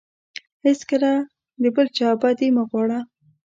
هیڅکله د بل چا بدي مه غواړه.